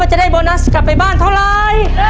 จะได้โบนัสกลับไปบ้านเท่าไร